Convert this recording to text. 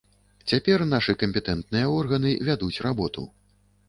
Цяпер нашы кампетэнтныя органы вядуць работу.